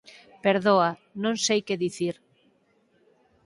Perdoa, non sei que dicir.